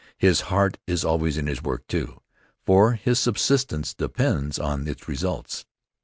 His heart is always in his work, too, for his subsistence depends on its results.